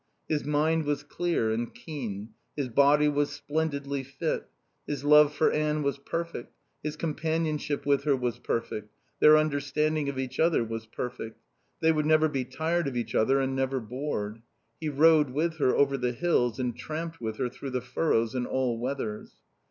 His mind was clear and keen; his body was splendidly fit; his love for Anne was perfect, his companionship with her was perfect, their understanding of each other was perfect. They would never be tired of each other and never bored. He rode with her over the hills and tramped with her through the furrows in all weathers.